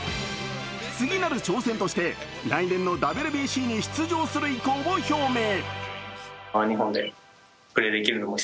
次なる挑戦として来年のＷＢＣに出場する意向を表明。